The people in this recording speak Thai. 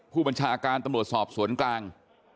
ผู้บัญชาการตำรวจสอบสวนกลาง